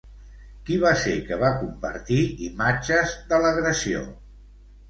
Qui va ser que va compartir imatges de l'agressió?